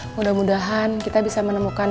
mudah mudahan kita bisa menemukan